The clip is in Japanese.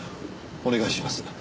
お願いします。